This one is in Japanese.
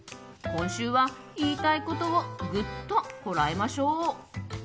今週は言いたいことをぐっとこらえましょう。